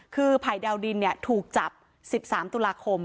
คือภัยดาวดินถูกจับ๑๓ตุลาคม